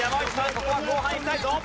ここは後半いきたいぞ。